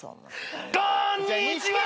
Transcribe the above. こんにちはー！